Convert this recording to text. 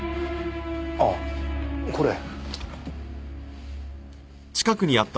ああこれ。